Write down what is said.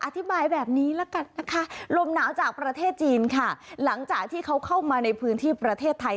อธิบายแบบนี้ละกันนะคะลมหนาวจากประเทศจีนค่ะหลังจากที่เขาเข้ามาในพื้นที่ประเทศไทย